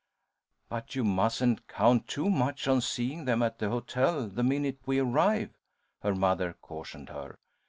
"But you mustn't count too much on seeing them at the hotel the minute we arrive," her mother cautioned her.